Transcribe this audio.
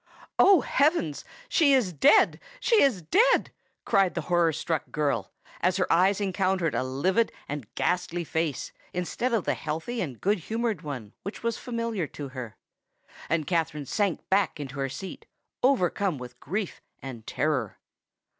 "Oh! heavens—she is dead—she is dead!" cried the horror struck girl, as her eyes encountered a livid and ghastly face instead of the healthy and good humoured one which was familiar to her. And Katherine sank back in her seat, overcome with grief and terror.